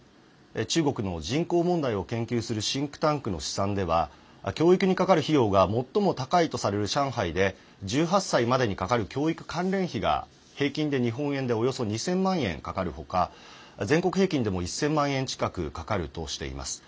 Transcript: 中国の人口問題を研究するシンクタンクの試算では教育にかかる費用が最も高いとされる上海で１８歳までにかかる教育関連費が平均で日本円でおよそ２０００万円かかる他全国平均でも、１０００万円近くかかるとしています。